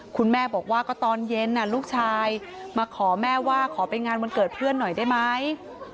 คุณแม่บอกว่าก็ตอนเย็นลูกชายมาขอแม่ว่าขอไปงานวันเกิดเพื่อนหน่อยได้ไหม